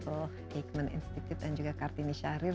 deputi riset fundamental aikman institute dan juga kartini syahrir